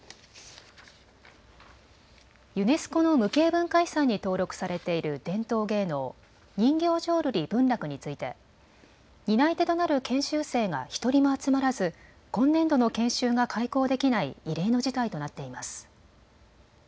ユネスコの無形文化遺産に登録されている伝統芸能、人形浄瑠璃文楽について担い手となる研修生が１人も集まらず今年度の研修が開講できない異例の事態となっています。